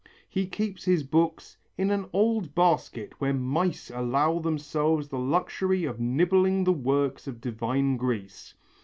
He keeps his books "in an old basket where mice allow themselves the luxury of nibbling the works of divine Greece."